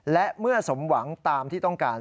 และเมื่อสมหวังตามที่ต้องการ